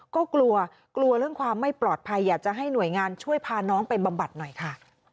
ก็กลัวกลัวเรื่องความไม่ปลอดภัยอยากจะให้หน่วยงานช่วยพาน้องไปบำบัดหน่อยค่ะ